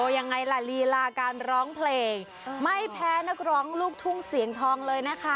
ยังไงล่ะลีลาการร้องเพลงไม่แพ้นักร้องลูกทุ่งเสียงทองเลยนะคะ